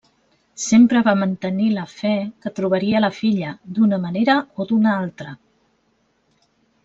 Sempre va mantenir la fe que trobaria la filla, d'una manera o d'una altra.